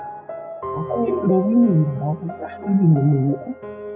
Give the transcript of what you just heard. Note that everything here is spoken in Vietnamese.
nó không những đối với mình nó cũng là đối với mình một mùa